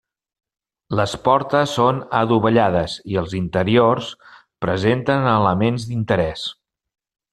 Les portes són adovellades i els interiors presenten elements d'interès.